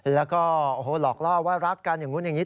แล้วก็โอ้โหหลอกล่อว่ารักกันอย่างนู้นอย่างนี้